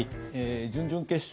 準々決勝